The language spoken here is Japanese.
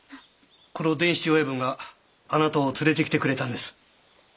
この伝七親分があなたを連れてきてくれたんです。